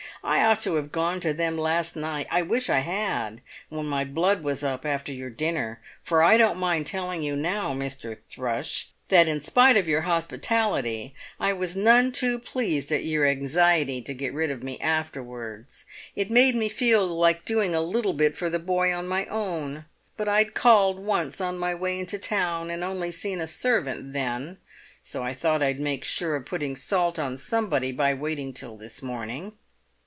I ought to have gone to them last night. I wish I had, when my blood was up after your dinner; for I don't mind telling you now, Mr. Thrush, that in spite of your hospitality I was none too pleased at your anxiety to get rid of me afterwards. It made me feel like doing a little bit for the boy on my own; but I'd called once on my way into town, and only seen a servant then, so I thought I'd make sure of putting salt on somebody by waiting till this morning."